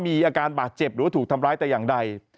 มีอาการบาดเจ็บหรือว่าถูกทำร้ายแต่อย่างใด